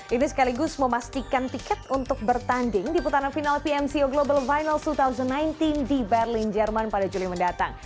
ini sekaligus memastikan tiket untuk bertanding di putaran final pmco global final dua ribu sembilan belas di berlin jerman pada juli mendatang